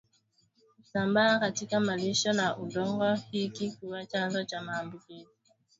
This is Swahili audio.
husambaa katika malisho na udongo hiki huwa chanzo cha maambukizi kwa wanyama wengine